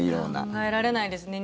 考えられないですね。